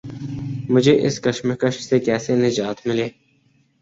مجھے اس کشمکش سے کیسے نجات ملے؟